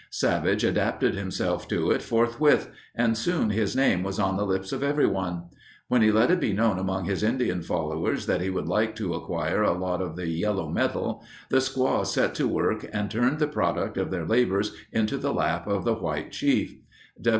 Savage adapted himself to it forthwith, and soon his name was on the lips of everyone. When he let it be known among his Indian followers that he would like to acquire a lot of the yellow metal, the squaws set to work and turned the product of their labors into the lap of the white chief.